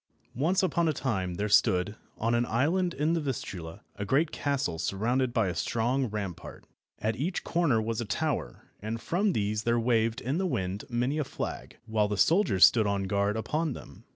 ONCE upon a time there stood, on an island in the Vistula, a great castle surrounded by a strong rampart. At each corner was a tower, and from these there waved in the wind many a flag, while the soldiers stood on guard upon them.